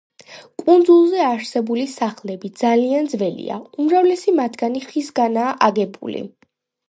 კუნძულზე არსებული სახლები ძალიან ძველია, უმრავლესი მათგანი ხისგანაა აგებული.